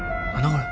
これ。